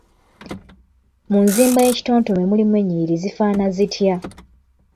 Mu nzimba y’ekitontome mulimu ennyiriri zifaanana zitya?